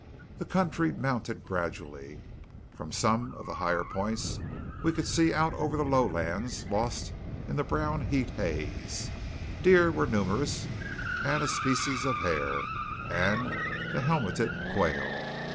The country mounted gradually. From some of the higher points we could see out over the lowlands lost in a brown heat haze. Deer were numerous, and a species of hare, and the helmeted quail.